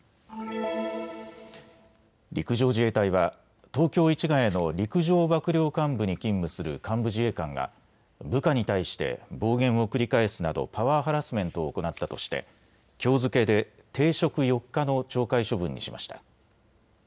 陸上自衛隊は東京市谷の陸上幕僚監部に勤務する幹部自衛官が部下に対して暴言を繰り返すなどパワーハラスメントを行ったとしてきょう付けで停職４日の懲戒処分にしました。